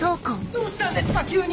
どうしたんですか急に！